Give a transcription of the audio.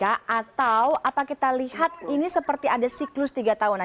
atau apa kita lihat ini seperti ada siklus tiga tahunan